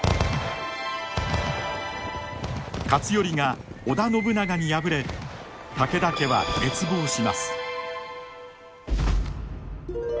勝頼が織田信長に敗れ武田家は滅亡します。